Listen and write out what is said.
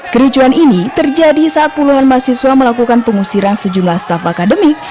kericuan ini terjadi saat puluhan mahasiswa melakukan pengusiran sejumlah staff akademik